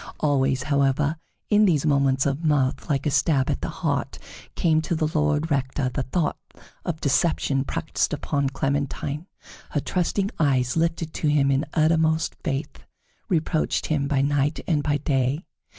Always, however, in these moments of mirth, like a stab at the heart came to the Lord Rector the thought of deception practiced upon Clementine. Her trusting eyes, lifted to him in uttermost faith, reproached him by night and by day.